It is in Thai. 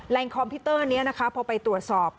คอมพิวเตอร์นี้นะคะพอไปตรวจสอบ